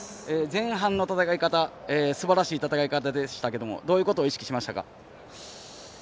前半の戦い方すばらしい戦い方でしたけどもどういうことを意識しましたか？